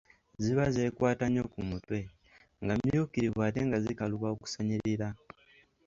Ziba zeekwata nnyo ku mutwe, nga mmyukirivu ate nga zikaluba okusanirira.